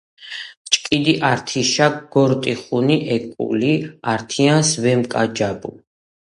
ჭკიდი ართიშა გორტიხუნი უკული ართიანს ვემკაჭაბუ.